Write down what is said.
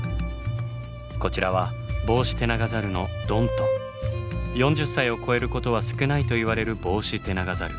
こちらは４０歳を超えることは少ないといわれるボウシテナガザル。